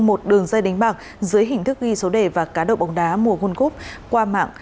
một đường dây đánh bạc dưới hình thức ghi số đề và cá độ bóng đá mùa guân cúp qua mạng